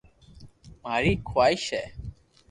ماري خواݾ ھي